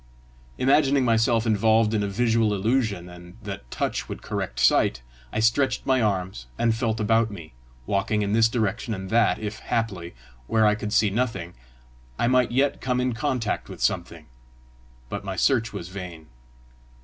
Imagining myself involved in a visual illusion, and that touch would correct sight, I stretched my arms and felt about me, walking in this direction and that, if haply, where I could see nothing, I might yet come in contact with something; but my search was vain.